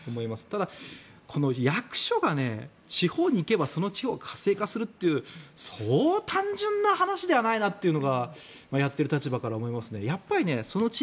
ただ、この役所が地方に行けばその地方が活性化するというそう単純な話ではないなというのは思いますね。